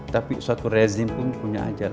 tapi suatu rezim pun punya ajar